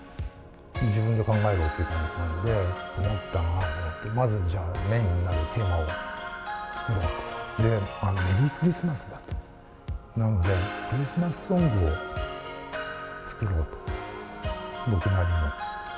自分で考えろっていう感じで、まいったなと思って、まずじゃあ、メインになるテーマを作ろうと、メリークリスマスだと、なので、クリスマスソングを作ろうと、僕なりの。